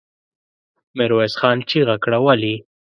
ميرويس خان چيغه کړه! ولې؟